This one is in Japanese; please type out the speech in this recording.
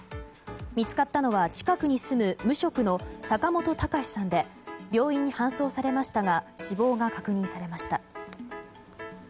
見つかったのは近くに住む無職の坂本孝司さんで病院に搬送されましたが死亡が確認されました。